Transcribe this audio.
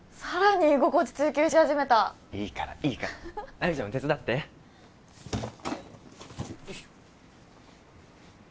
さらに居心地追求し始めたいいからいいから奈未ちゃんも手伝ってよいしょ